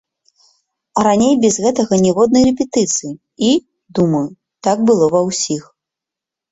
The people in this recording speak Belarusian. А раней без гэтага ніводнай рэпетыцыі, і, думаю, так было ва ўсіх.